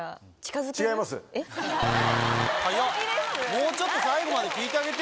もうちょっと最後まで聞いてあげてよ。